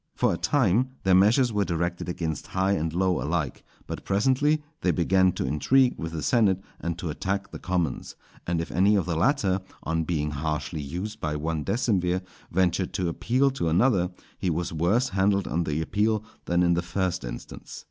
For a time their measures were directed against high and low alike; but presently they began to intrigue with the senate, and to attack the commons; and if any of the latter, on being harshly used by one decemvir, ventured to appeal to another, he was worse handled on the appeal than in the first instance.